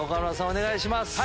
お願いします。